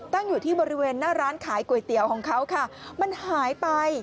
อยู่ที่บริเวณหน้าร้านขายก๋วยเตี๋ยวของเขาค่ะมันหายไป